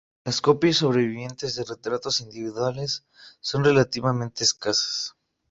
Las copias sobrevivientes de retratos individuales son relativamente escasas.